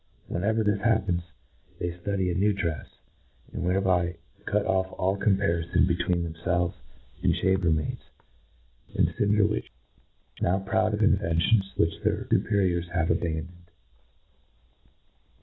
Whenever this happens, they ftudy a new drefs —and thereby cut off all comparifon between themfelves and chamber maids and cinder winches, now proud of inventions which their fii periors have abandoned.